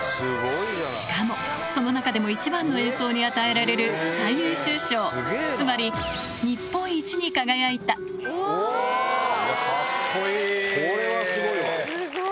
しかもその中でも一番の演奏に与えられる最優秀賞、つまり、かっこいい。